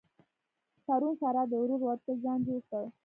پرون سارا د ورور واده ته ځان جوړ کړ.